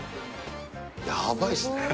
やばいですね。